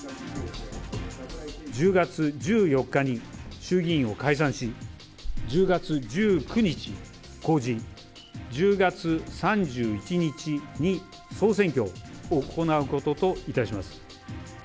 １０月１４日に衆議院を解散し、１０月１９日公示、１０月３１日に総選挙を行うことといたします。